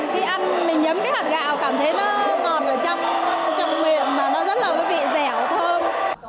khi ăn mình nhấm cái hạt gạo cảm thấy nó còn ở trong miệng và nó rất là vị dẻo thơm